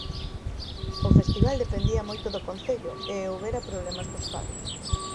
O festival dependía moito do concello e houbera problemas cos pagos.